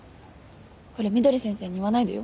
これみどり先生に言わないでよ。